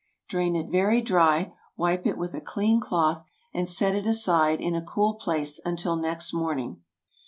Drain it very dry, wipe it with a clean cloth, and set it aside in a cool place until next morning.